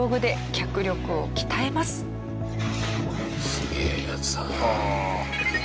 すげえヤツだな。